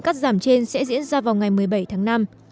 cắt giảm trên sẽ diễn ra vào ngày một mươi bảy tháng năm